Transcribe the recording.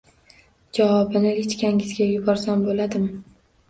- Javobini lichkangizga yuborsam bo'ladimi?..